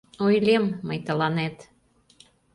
Ойлем... мый тыланет.